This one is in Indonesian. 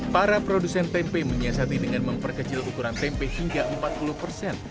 para produsen tempe menyiasati dengan memperkecil ukuran tempe hingga empat puluh persen